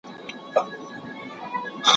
ناامني باید پای ته ورسیږي.